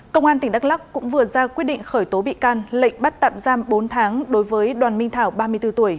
công an tỉnh đắk lắc cũng vừa ra quyết định khởi tố bị can lệnh bắt tạm giam bốn tháng đối với đoàn minh thảo ba mươi bốn tuổi